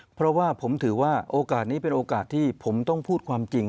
เพราะว่าผมถือว่าโอกาสนี้เป็นโอกาสที่ผมต้องพูดความจริง